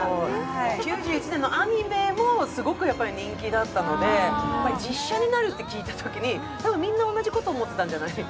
９１年のアニメもすごく人気だったので、実写になるって聞いたときに、たぶんみんな同じこと思ったんじゃない？